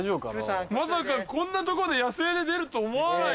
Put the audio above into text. まさかこんな所で野生で出ると思わないよね。